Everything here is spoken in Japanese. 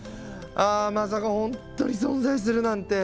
ああまさか本当に存在するなんて！